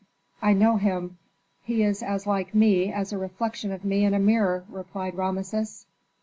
"I know him. He is as like me as a reflection of me in a mirror," replied Rameses.